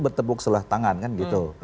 bertepuk sebelah tangan kan gitu